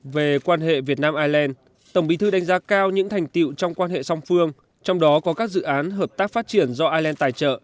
về quan hệ việt nam ireland tổng bí thư đánh giá cao những thành tiệu trong quan hệ song phương trong đó có các dự án hợp tác phát triển do ireland tài trợ